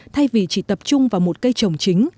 thay vì chỉ tập trung vào một cây trồng chính